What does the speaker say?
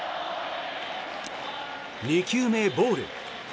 ２球目、ボール。